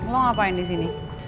lu ngapain di sini